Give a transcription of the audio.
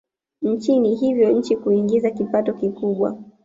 nchini hivyo nchi huiingiza kipato kikubwa